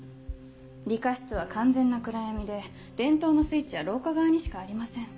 理科室は完全な暗闇で電灯のスイッチは廊下側にしかありません。